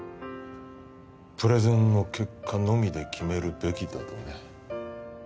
プレゼンの結果のみで決めるべきだとね